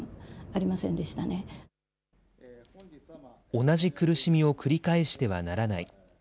同じ苦しみを繰り返してはならない。